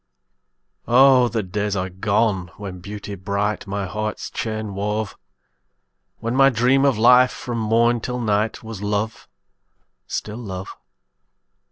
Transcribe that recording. Oh! the days are gone, when Beauty bright My heart's chain wove; When my dream of life, from morn till night, Was love, still love.